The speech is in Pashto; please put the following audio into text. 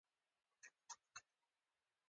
مچان د شاتو خوږ بوی ته جذبېږي